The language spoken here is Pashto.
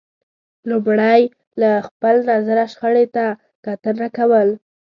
لمړی له خپل نظره شخړې ته کتنه کول